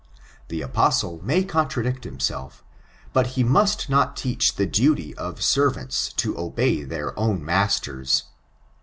The apostle may contradict himself, but he must not teach the duty of servants to obey their own masters